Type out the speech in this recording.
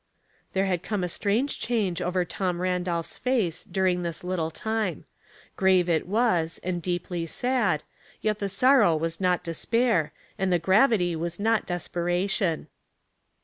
There had come a strange change over Tom Randolph's face during this little time. Grave it was, and deeply sad, yet the sorrow was not despair, and the gravity was not de/^peration.